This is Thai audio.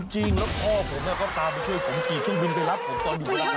จริงแล้วพ่อผมก็ตามไปช่วยผมขี่ช่วงบินไปรับผมตอนอยู่บนสวรรค์หรือเปล่าคะ